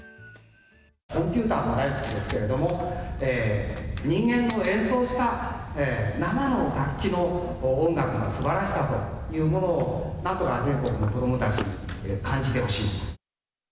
コンピューターも大好きですけれども、人間の演奏した生の楽器の音楽のすばらしさというものを、なんとか全国の子どもたちに感じてほしい。